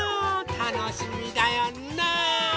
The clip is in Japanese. たのしみだよ。ねえ！